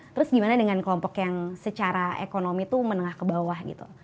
terus gimana dengan kelompok yang secara ekonomi itu menengah ke bawah gitu